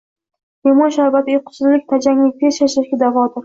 Limon sharbati uyqusizlik, tajanglik, tez charchashga davodir.